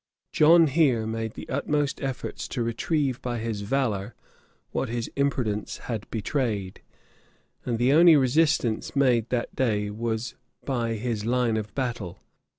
John here made the utmost efforts to retrieve by his valor what his imprudence had betrayed; and the only resistance made that day was by his line of battle.